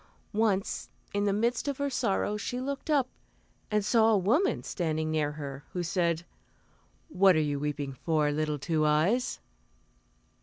Once, in the midst of her sorrow she looked up, and saw a woman standing near her who said, "What are you weeping for, little Two Eyes?"